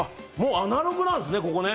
アナログなんですね、ここね。